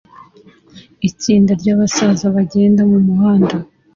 itsinda ryabasaza bagenda mumuhanda